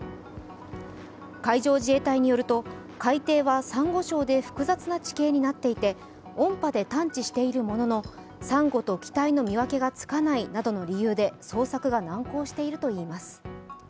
海上自衛隊によると、海底はさんご礁で複雑な地形になっていて、音波で探知しているもののさんごと機体の見分けがつかないなどの理由で捜索が難航しているといいます。